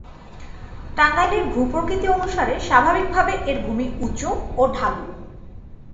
টাঙ্গাইলের ভূ-প্রকৃতি অনুসারে স্বাভাবিক ভাবে এর ভূমি উঁচু এবং ঢালু।